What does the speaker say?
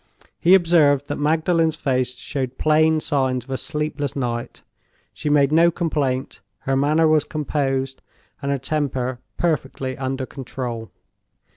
He observed that Magdalen's face showed plain signs of a sleepless night. She made no complaint: her manner was composed, and her temper perfectly under control.